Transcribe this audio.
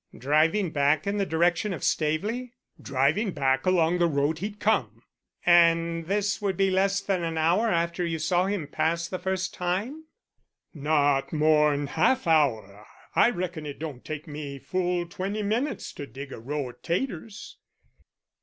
"Driving back in the direction of Staveley?" "Driving back along the road he'd come." "And this would be less than an hour after you saw him pass the first time?" "Not more'n half hour. I reckon it don't take me full twenty minutes to dig a row o' taters."